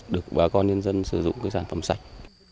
được bà con nhân dân sử dụng cái sản phẩm sạch